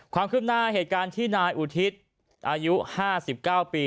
ความคืบหน้าเหตุการณ์ที่นายอุทิศอายุ๕๙ปี